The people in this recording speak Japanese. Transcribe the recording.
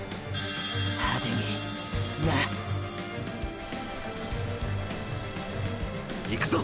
派手にな。いくぞ！！